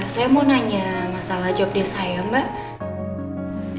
saya mau nanya masalah jobdesk saya ya mbak